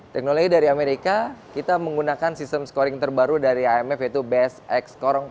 teknologi dari amerika kita menggunakan sistem scoring terbaru dari imf yaitu best x corring